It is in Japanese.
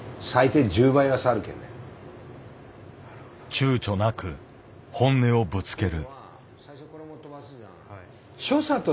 ちゅうちょなく本音をぶつける。